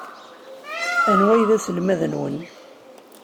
Anwa ay d aselmad-nwen?